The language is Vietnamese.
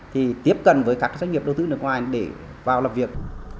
thì tiếp cận với các doanh nghiệp đầu tư nước ngoài để vào làm việc